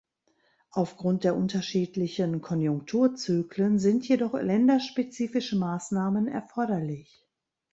Aufgrund der unterschiedlichen Konjunkturzyklen sind jedoch länderspezifische Maßnahmen erforderlich.